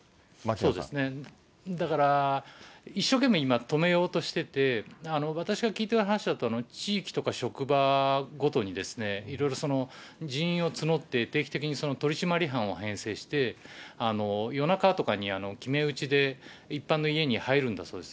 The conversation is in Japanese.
そうですね、だから一生懸命、今、止めようとしてて、私が聞いてる話だと、地域とか職場ごとに、いろいろ人員を募って、定期的に取締り班を編成して、夜中とかに決め打ちで、一般の家に入るんだそうです。